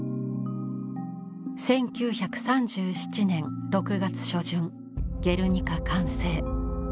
１９３７年６月初旬「ゲルニカ」完成。